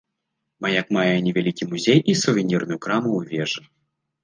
Маяк мае невялікі музей і сувенірную краму ў вежы.